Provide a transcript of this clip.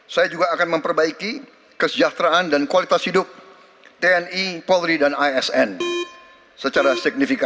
saya juga akan memperbaiki kesejahteraan dan kualitas hidup tni polri dan asn secara signifikan